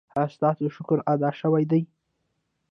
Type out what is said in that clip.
ایا ستاسو شکر ادا شوی دی؟